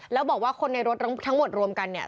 แล้วบอกว่าคนในรถทั้งหมดรวมกันเนี่ย